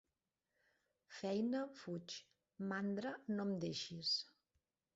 Feina, fuig; mandra, no em deixis.